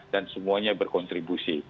dan semuanya berkontribusi